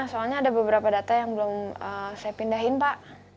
soalnya ada beberapa data yang belum saya pindahin pak